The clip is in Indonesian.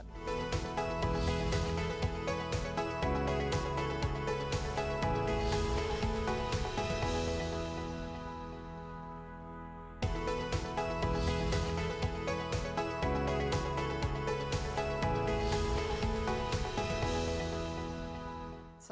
yang diberikan oleh kepala kepala kepala